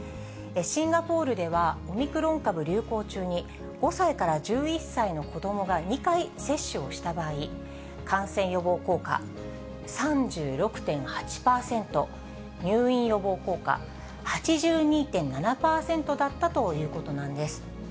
シンガポールではオミクロン株流行中に、５歳から１１歳の子どもが２回接種をした場合、感染予防効果、３６．８％、入院予防効果、８２．７％だったということなんです。